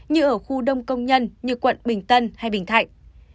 như ở khu đông công nhân như quận bình tân hay bình thạnh